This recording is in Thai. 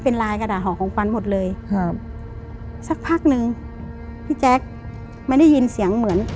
เป็นลายกระดาษห่อของฟันหมดเลยครับสักพักหนึ่งพี่แจ๊คมันได้ยินเสียงเหมือน